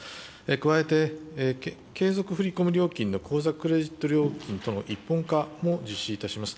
加えて、継続振り込み料金の口座、クレジット料金との一本化も実施いたします。